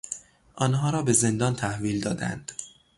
آنها را به زندان تحویل دادند.